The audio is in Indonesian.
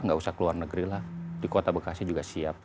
tidak usah keluar negeri lah di kota bekasi juga siap